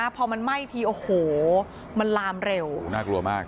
พอมันไหม้ทีโอ้โหมันลามเร็วน่ากลัวมาก